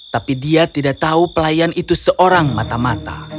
tapi dia tidak tahu pelayan itu seorang mata mata